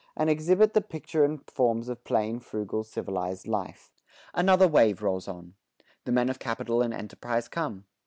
and exhibit the picture and forms of plain, frugal, civilized life. Another wave rolls on. The men of capital and enterprise come.